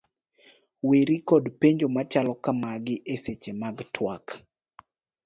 Weri kod penjo machalo ka magi e seche mag tuak: